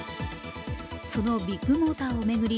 そのビッグモーターを巡り